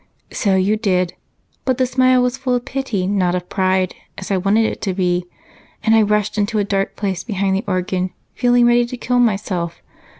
"So you did, but the smile was full of pity, not of pride, as I wanted it to be, and I rushed into a dark place behind the organ, feeling ready to kill myself.